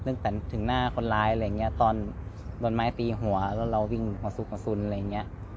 ตั้งแต่ถึงหน้าคนร้ายอะไรอย่างเงี้ยตอนบนไม้ตีหัวแล้วเราวิ่งมาสุกกระสุนอะไรอย่างเงี้ย